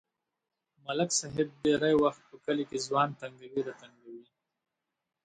ملک صاحب ډېری وخت په کلي کې ځوان تنگوي راتنگوي.